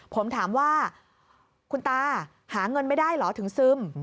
ผมถามว่าคุณตาหาเงินไม่ได้เหรอถึงซึม